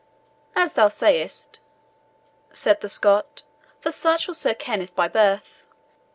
"As thou sayest," said the Scot, for such was Sir Kenneth by birth.